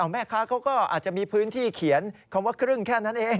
แม่ค้าเขาก็อาจจะมีพื้นที่เขียนคำว่าครึ่งแค่นั้นเอง